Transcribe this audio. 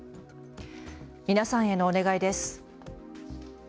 皆さんへのお願いです。